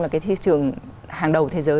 là cái thị trường hàng đầu thế giới